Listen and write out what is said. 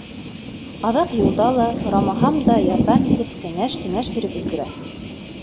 Аҙаҡ юлда ла, һорамаһам да, ярҙам итеп, кәңәш-төңәш биреп өлгөрә.